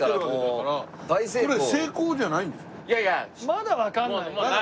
まだわかんないよな。